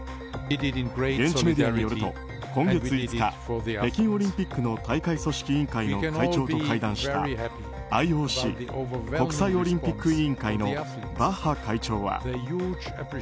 現地メディアによると今月５日北京オリンピックの大会組織委員会の会長と会談したＩＯＣ・国際オリンピック委員会のバッハ会長は。